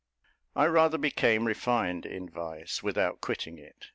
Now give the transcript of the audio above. I rather became refined in vice, without quitting it.